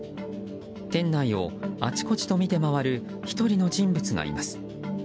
店内を、あちこちと見て回る１人の人物がいます。